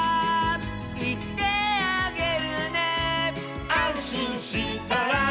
「いってあげるね」「あんしんしたら」